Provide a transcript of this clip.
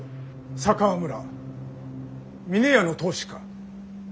佐川村峰屋の当主か。